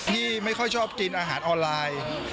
ไม่ค่อยชอบกินอาหารออนไลน์